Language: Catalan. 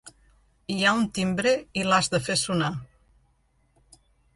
Hi ha un timbre i l’has de fer sonar.